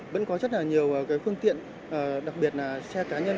vẫn có rất là nhiều phương tiện đặc biệt là xe cá nhân